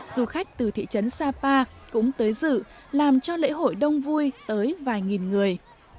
du khách từ thị trấn sapa cũng tới dự làm cho lễ hội đông vui tới vài nghìn người